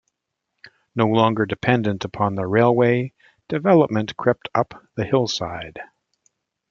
No longer dependent upon the railway, development crept up the hillside.